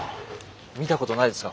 見たことないですか